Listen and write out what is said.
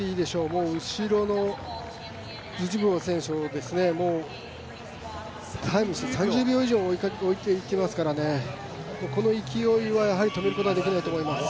もう後ろのズジェブウォ選手を３０秒以上置いていきますからね、この勢いは止めることはできないと思います。